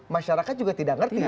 masyarakat juga tidak ngerti